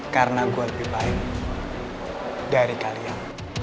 karena gua lebih baik dari kalian